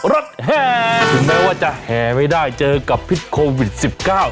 แห่ถึงแม้ว่าจะแห่ไม่ได้เจอกับพิษโควิดสิบเก้า